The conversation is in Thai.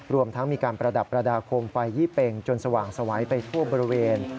รวมทั้งมีการประดับประดาษโคมไฟยี่เป็งจนสว่างสวัยไปทั่วบริเวณ